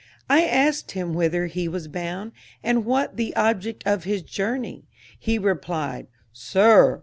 —I asked him whither he was bound, and what The object of his journey; he replied "Sir!